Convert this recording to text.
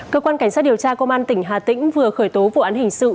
cơ quan cảnh sát điều tra công an tỉnh hà tĩnh vừa khởi tố vụ án hình sự